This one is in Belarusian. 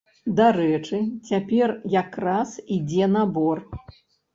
Дарэчы, цяпер якраз ідзе набор.